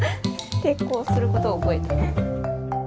抵抗することを覚えたね。